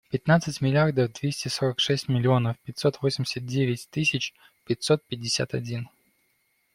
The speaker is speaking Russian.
Пятнадцать миллиардов двести сорок шесть миллионов пятьсот восемьдесят девять тысяч пятьсот пятьдесят один.